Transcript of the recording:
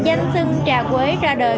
danh sưng trà quế ra đời